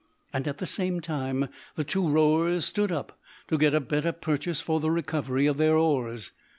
And, at the same time, the two rowers stood up to get a better purchase for the recovery of their oars.